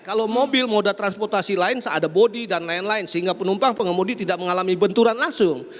kalau mobil moda transportasi lain seada bodi dan lain lain sehingga penumpang pengemudi tidak mengalami benturan langsung